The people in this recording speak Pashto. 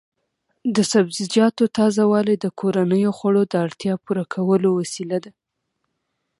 د سبزیجاتو تازه والي د کورنیو خوړو د اړتیا پوره کولو وسیله ده.